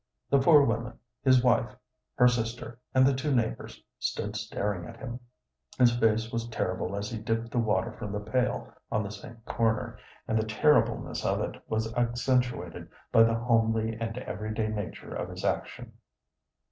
The four women his wife, her sister, and the two neighbors stood staring at him; his face was terrible as he dipped the water from the pail on the sink corner, and the terribleness of it was accentuated by the homely and every day nature of his action.